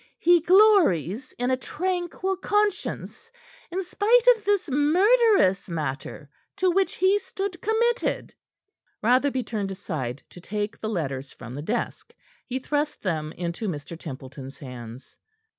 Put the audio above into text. He glories in a tranquil conscience, in spite of this murderous matter to which he stood committed." Rotherby turned aside to take the letters from the desk. He thrust them into Mr. Templeton's hands.